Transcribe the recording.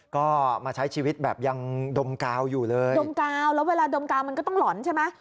ก็มาใช้ชีวิตแบบยังดมกาวอยู่เลยดมกาวแล้วเวลาดมกาวมันก็ต้องหล่อนใช่ไหม